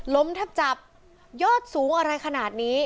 แทบจับยอดสูงอะไรขนาดนี้